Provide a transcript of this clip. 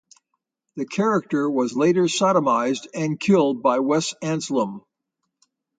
The character was later sodomized and killed by Wes Anselm.